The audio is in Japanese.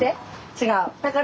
違う。